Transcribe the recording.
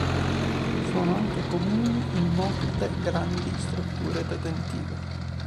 Sono anche comuni in molte grandi strutture detentive.